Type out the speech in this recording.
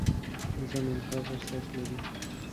انسان د انتخاب احساس لري.